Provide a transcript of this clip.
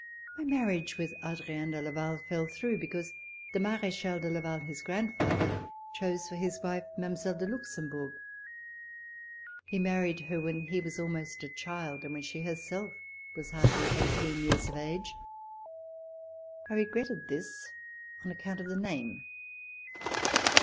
My marriage with Adrien de Laval fell through, because the Marechal de Laval, his grandfather, chose for his wife Mile, de Luxembourg. He married her when he was almost a child and when she herself was hardly eighteen years of age. I regretted this on account of the name.